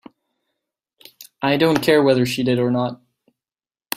I don't care whether she did or not.